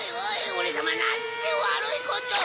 オレさまなんてわるいことを！